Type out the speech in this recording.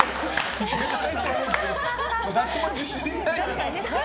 誰も自信ない。